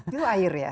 itu air ya